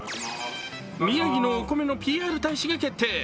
宮城のお米のＰＲ大使が決定。